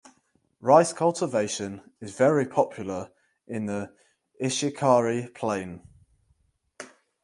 Rice cultivation is very popular in the Ishikari Plain.